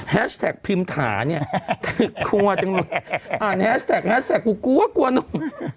แท็กพิมถาเนี่ยเธอกลัวจังเลยอ่านแฮชแท็กแฮสแท็กกูกลัวกลัวหนุ่ม